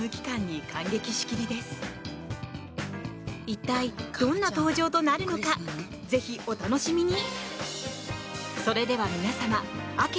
一体どんな登場となるのかぜひお楽しみに。